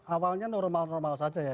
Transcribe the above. awalnya normal normal saja ya